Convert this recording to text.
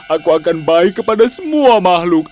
aku akan baik kepada semua makhluk